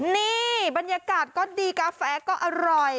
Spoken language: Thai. นี่บรรยากาศก็ดีกาแฟก็อร่อย